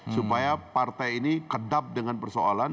supaya partai ini kedap dengan persoalan